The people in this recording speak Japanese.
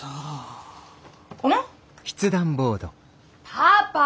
パパ！